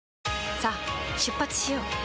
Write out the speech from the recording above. さあ出発しよう。